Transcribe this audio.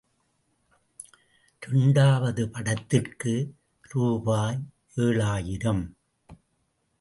இரண்டாவது படத்திற்கு ரூபாய் ஏழாயிரம்.